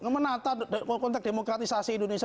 menata konteks demokratisasi indonesia